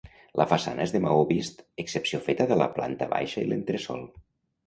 La façana és de maó vist, excepció feta de la planta baixa i l'entresòl.